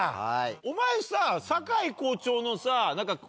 お前さ。